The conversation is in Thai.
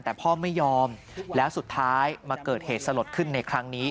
แต่พ่อไม่ยอมแล้วสุดท้ายมาเกิดเหตุสลดขึ้นในครั้งนี้